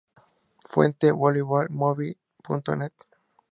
Fuente: volleyball-movies.net.